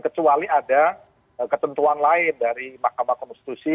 kecuali ada ketentuan lain dari mahkamah konstitusi